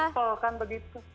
invol kan begitu